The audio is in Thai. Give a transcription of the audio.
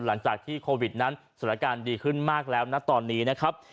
หลังจากที่โควิดนั้นสถานการณ์ดีขึ้นมากแล้วนะตอนนี้นะครับ